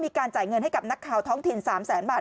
มีการจ่ายเงินให้กับนักข่าวท้องถิ่น๓แสนบาท